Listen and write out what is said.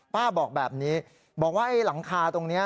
บอกแบบนี้บอกว่าไอ้หลังคาตรงนี้